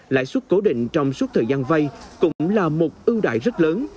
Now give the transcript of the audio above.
lãi suất cố định trong suốt thời gian vay cũng là một ưu đại rất lớn